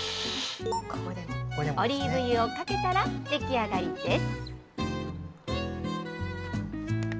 オリーブ油をかけたら出来上がりです。